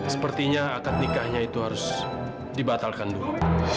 sepertinya akad nikahnya itu harus dibatalkan dulu